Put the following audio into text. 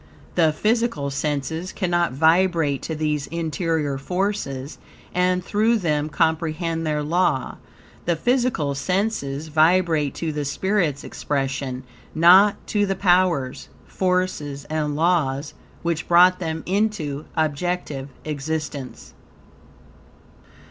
The physical senses cannot vibrate to these interior forces, and through them, comprehend their law. The physical senses vibrate to the spirit's expression, not to the powers, forces, and laws, which brought them into objective existence.